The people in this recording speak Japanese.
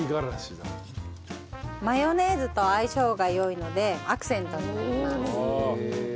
マヨネーズと相性が良いのでアクセントになります。